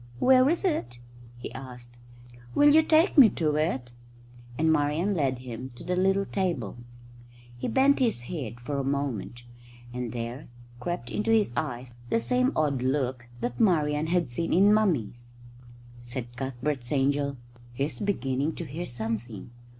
"Where is it?" he asked. "Will you take me to it?" And Marian led him to the little table. He bent his head for a moment, and there crept into his eyes the same odd look that Marian had seen in Mummy's. Said Cuthbert's angel, "He's beginning to hear something.